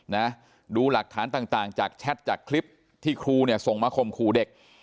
นะดูหลักฐานต่างต่างจากแชทจากคลิปที่ครูเนี่ยส่งมาข่มขู่เด็ก